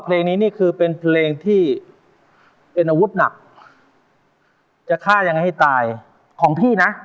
เพลงนี้นี่คือเป็นเพลงที่เป็นอาวุธหนักจะฆ่ายังไงให้ตายของพี่นะ